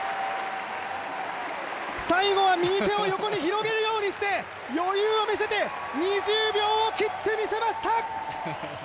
最後は右手を横に広げるようにして、余裕を見せて、２０秒を切ってみせました。